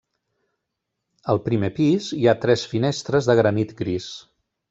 Al primer pis hi ha tres finestres de granit gris.